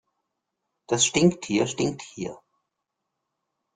Das Stinktier stinkt hier.